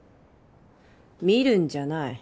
見るんじゃない。